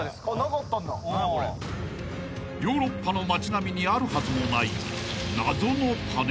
［ヨーロッパの街並みにあるはずのない］